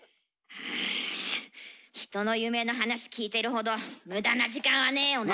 うん人の夢の話聞いてるほど無駄な時間はねえよな。